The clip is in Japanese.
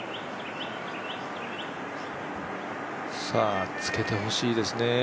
さあ、つけてほしいですね。